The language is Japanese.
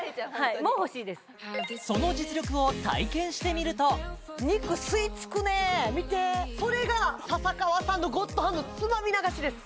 その実力を体験してみると肉吸いつくねえ見てそれが笹川さんのゴッドハンドつまみ流しです